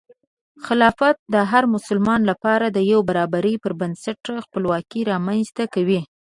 خلافت د هر مسلمان لپاره د یو برابري پر بنسټ خپلواکي رامنځته کوي.